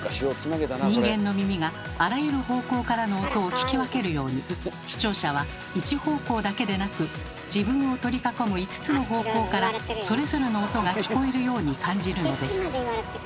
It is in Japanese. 人間の耳があらゆる方向からの音を聞き分けるように視聴者は一方向だけでなく自分を取り囲む５つの方向からそれぞれの音が聞こえるように感じるのです。